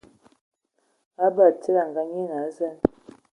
Batsidi a Ngaanyian a zen.